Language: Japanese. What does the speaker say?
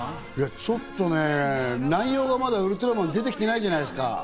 ちょっとね、内容がまだウルトラマン出て来てないじゃないですか。